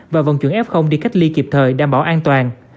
và vòng chuẩn f đi cách ly kịp thời đảm bảo an toàn